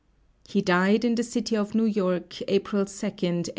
He died in the city of New York April 2nd, 1872.